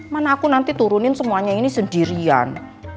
mana aku nanti turunin semuanya ini sendirian